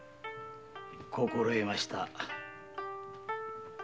心得ました。